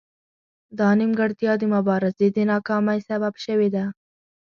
دا نیمګړتیا د مبارزې د ناکامۍ سبب شوې ده